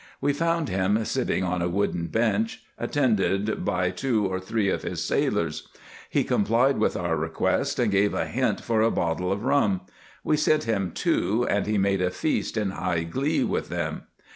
We found him sitting on a wooden bench, attended by two or three of his sailors. He complied with our request, and gave a hint for a bottle of rum. We sent him two, and he made a feast in high glee with them.